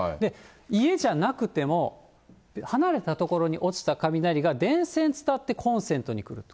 家じゃなくても、離れた所に落ちた雷が、電線伝わってコンセントに来ると。